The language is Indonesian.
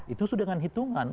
itu sudah dengan hitungan